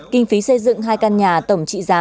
kinh phí xây dựng hai căn nhà tổng trị giá